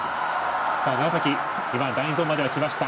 楢崎、第２ゾーンまできました。